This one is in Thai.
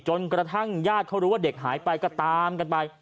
กระทั่งญาติเขารู้ว่าเด็กหายไปก็ตามกันไป